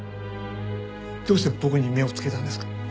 どうして僕に目をつけたんですか？